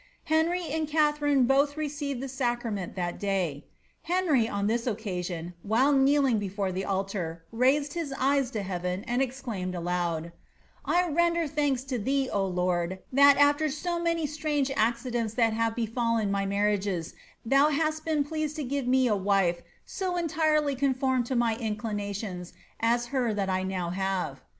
Henry end Katharine hoth received the aacnnent theft dij. Henry, on thia occaaion, while kneeling befoie the altar, niaed hia fm to heaven, and exclaimed aloud, ^ I reiKler thanka to thee, O Laad^ Ml after ao many atrange acddenta that have he&Uen ny mafri^gwi^ ihga heat been pleaaed to give me a wife to entirdy confomed towriMliB^ tiona aa her that I now have.